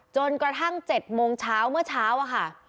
จนกระทั่ง๗โมงเมื่อเช้า